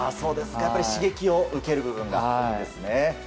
やっぱり、刺激を受ける部分があるんですね。